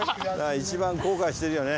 一番後悔してるよね